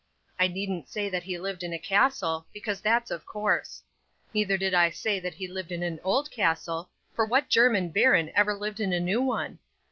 I needn't say that he lived in a castle, because that's of course; neither need I say that he lived in an old castle; for what German baron ever lived in a new one?